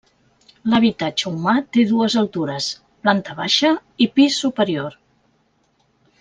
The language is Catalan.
L’habitatge humà té dues altures, planta baixa i pis superior.